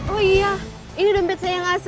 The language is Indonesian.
oh iya ini dompetnya yang asli